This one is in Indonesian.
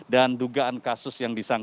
dan dugaan kasus yang disangka